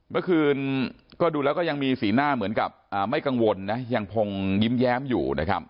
เมื่อคืนก็ดูแล้วก็ยังมีสีหน้าเหมือนกับไม่กังวลนะยังคงยิ้มแย้มอยู่นะครับ